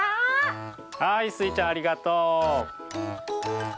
はいスイちゃんありがとう。